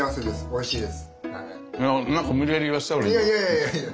おいしいです。